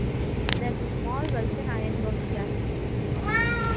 There is a small Vulcan Iron Works gasoline switcher.